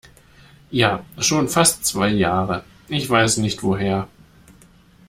Ja, schon fast zwei Jahre. Ich weiß nicht woher.